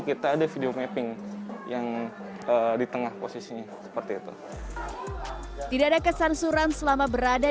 kita ada video mapping yang di tengah posisinya seperti itu tidak ada kesansuran selama berada